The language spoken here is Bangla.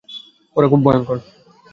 ওরা খুব ভয়ংকর।